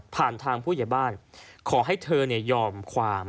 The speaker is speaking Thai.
ทางผู้ใหญ่บ้านขอให้เธอยอมความ